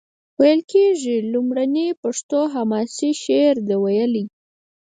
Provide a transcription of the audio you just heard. ویل کیږي لومړنی پښتو حماسي شعر ده ویلی.